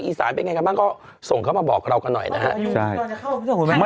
อีสานเป็นไงกันบ้างก็ส่งเข้ามาบอกเรากันหน่อยนะฮะ